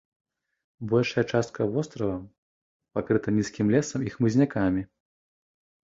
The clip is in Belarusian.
Большая частка вострава пакрыта нізкім лесам і хмызнякамі.